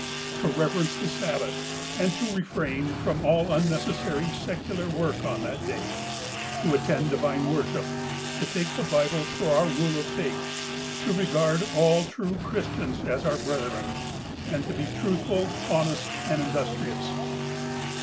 To reverence the Sabbath, and to refrain from all un necessary secular work on that day ; to attend divine worship ; to take the Bible for our rule of faith ; to regard all true Chris tians as our brethren ; and to be truthful, honest, and industrious.